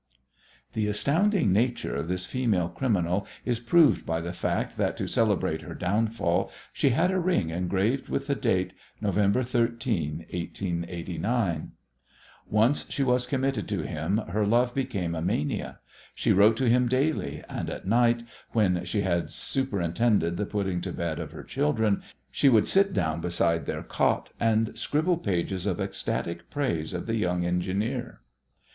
The astounding nature of this female criminal is proved by the fact that to celebrate her downfall she had a ring engraved with the date, November 13, 1889! Once she was committed to him her love became a mania. She wrote to him daily, and at night, when she had superintended the putting to bed of her children, she would sit down beside their cot and scribble pages of ecstatic praise of the young engineer.